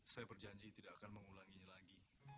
saya berjanji tidak akan mengulanginya lagi